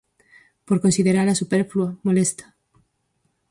Por considerala superflua, molesta.